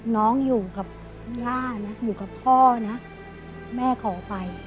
น้องอยู่กับย่านะอยู่กับพ่อนะแม่ขอไป